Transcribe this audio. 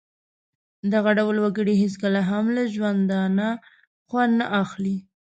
دغه ډول وګړي هېڅکله هم له ژوندانه خوند نه اخلي.